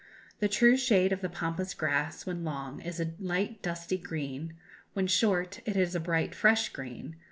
The true shade of the Pampas grass, when long, is a light dusty green; when short, it is a bright fresh green.